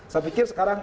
saya pikir sekarang